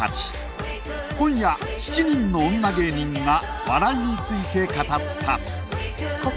今夜７人の女芸人が笑いについて語った。